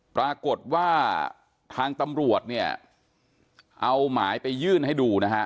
ปรากฏว่าทางตำรวจเนี่ยเอาหมายไปยื่นให้ดูนะฮะ